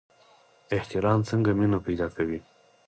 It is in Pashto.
احترام څنګه مینه پیدا کوي؟